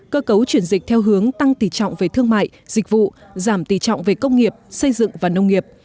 cơ cấu chuyển dịch theo hướng tăng tỷ trọng về thương mại dịch vụ giảm tỷ trọng về công nghiệp xây dựng và nông nghiệp